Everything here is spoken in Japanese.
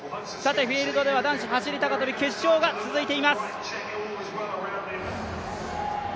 フィールドでは男子走高跳決勝が続いています。